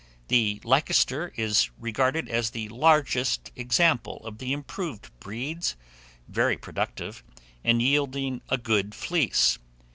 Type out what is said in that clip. The Leicester is regarded as the largest example of the improved breeds, very productive, and yielding a good fleece.